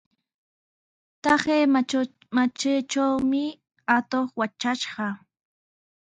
Taqay matraytrawmi atuq watrashqa.